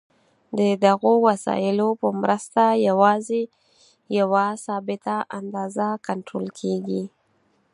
د دغو وسایلو په مرسته یوازې یوه ثابته اندازه کنټرول کېږي.